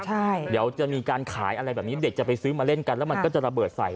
ใช่มีอะไรแบบนี้เด็กจะไปซื้อมาเล่นกันแล้วผู้ชายมันก็จะระเบิดใส่